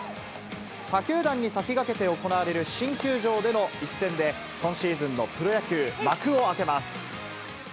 他球団に先駆けて行われる新球場での一戦で、今シーズンのプロ野球、幕を開けます。